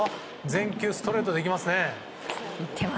全球ストレートでいきますね。